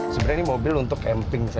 sebenarnya ini mobil untuk camping saja sih